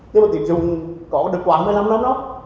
nhưng mà tỉnh dùng có được quá một mươi năm năm đó